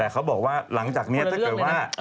เขาบอกว่าหลังจากนี้ถ้าเกิดว่า